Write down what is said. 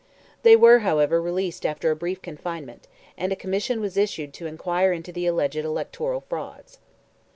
They were, however, released after a brief confinement, and a Commission was issued to inquire into the alleged electoral frauds.